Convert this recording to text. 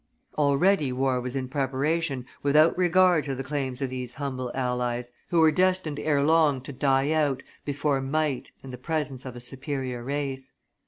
Already war was in preparation without regard to the claims of these humble allies, who were destined ere long to die out before might and the presence of a superior race.